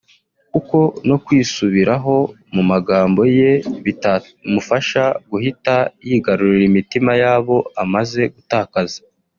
kuko no kwisubiraho mu magambo ye bitamufasha guhita yigarurira imitima y’abo amaze gutakaza